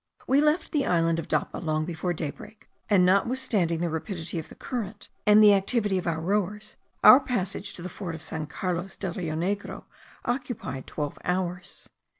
We left the island of Dapa long before daybreak; and notwithstanding the rapidity of the current, and the activity of our rowers, our passage to the fort of San Carlos del Rio Negro occupied twelve hours.